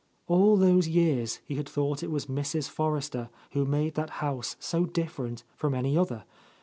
All those years he had thought it was Mrs. Forrester who made that house so different from any other.